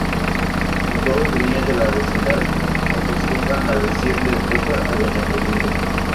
Como todos los niños de la vecindad acostumbran a decirle ""Bruja"" a Doña Clotilde.